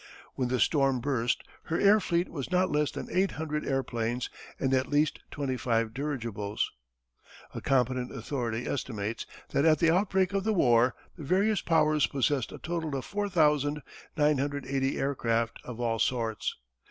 When the storm burst her air fleet was not less than eight hundred airplanes, and at least twenty five dirigibles. A competent authority estimates that at the outbreak of the war the various Powers possessed a total of 4980 aircraft of all sorts.